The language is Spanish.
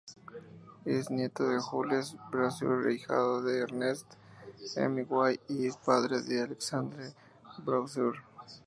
Es nieto de Jules Brasseur, ahijado de Ernest Hemingway y padre de Alexandre Brasseur.